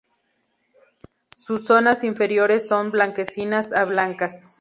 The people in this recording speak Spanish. Sus zonas inferiores son blanquecinas a blancas.